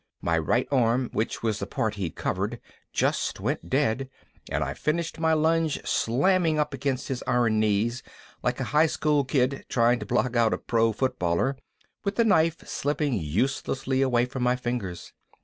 My right arm, which was the part he'd covered, just went dead and I finished my lunge slamming up against his iron knees, like a highschool kid trying to block out a pro footballer, with the knife slipping uselessly away from my fingers.